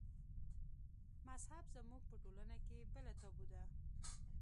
مذهب زموږ په ټولنه کې بله تابو ده.